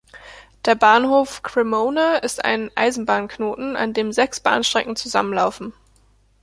Der Bahnhof Cremona ist ein Eisenbahnknoten, an dem sechs Bahnstrecken zusammenlaufen.